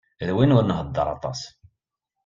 D win ur nhedder aṭas.